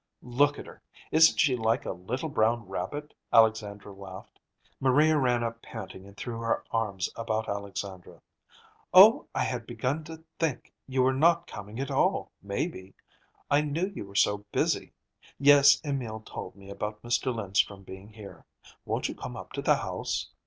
"Look at her! Isn't she like a little brown rabbit?" Alexandra laughed. Maria ran up panting and threw her arms about Alexandra. "Oh, I had begun to think you were not coming at all, maybe. I knew you were so busy. Yes, Emil told me about Mr. Linstrum being here. Won't you come up to the house?"